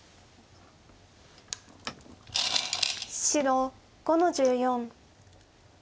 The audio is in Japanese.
白５の十四。